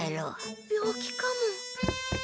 病気かも。